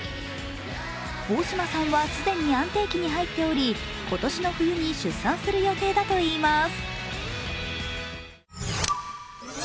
大島さんは既に安定期に入っており、今年の冬に出産する予定だといいます。